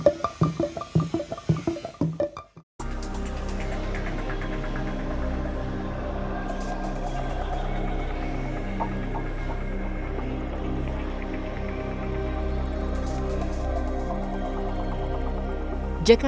sudah menjadi tanda tanda yang menarik